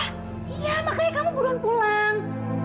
iya makanya kamu burun pulang